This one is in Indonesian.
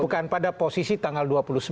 bukan pada posisi tanggal dua puluh sembilan